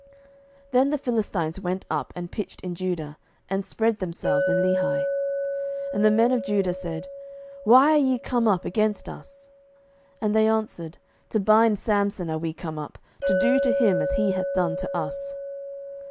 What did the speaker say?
07:015:009 Then the Philistines went up, and pitched in Judah, and spread themselves in Lehi. 07:015:010 And the men of Judah said, Why are ye come up against us? And they answered, To bind Samson are we come up, to do to him as he hath done to us.